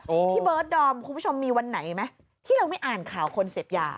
พี่เบิร์ดดอมคุณผู้ชมมีวันไหนไหมที่เราไม่อ่านข่าวคนเสพยา